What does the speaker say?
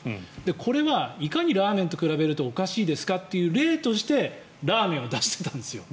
これはいかにラーメンと比べるとおかしいですかという例としてラーメンを出してたんですよ。